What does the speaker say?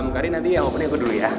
karin nanti opennya gue dulu ya